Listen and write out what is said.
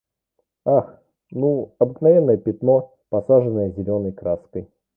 Ах, ну, обыкновенное пятно, посаженное зелёной краской.